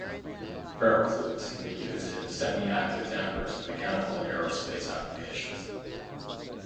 Ferrofluids can also be used in semi-active dampers in mechanical and aerospace applications.